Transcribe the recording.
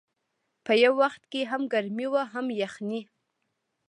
په یو وخت کې هم ګرمي وي هم یخني.